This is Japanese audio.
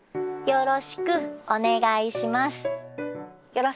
よろしくお願いします。